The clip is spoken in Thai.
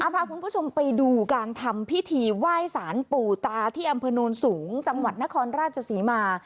พาคุณผู้ชมไปดูการทำพิธีไหว้สารปู่ตาที่อำเภอโนนสูงจังหวัดนครราชศรีมา